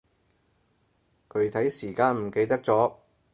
具體時間唔記得咗